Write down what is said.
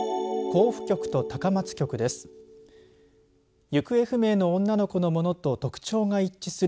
甲府局と高松局です。